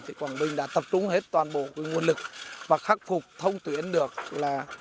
thì quảng bình đã tập trung hết toàn bộ nguồn lực và khắc phục thông tuyến được là